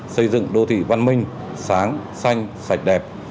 xây dựng đô thị văn minh sáng xanh sạch đẹp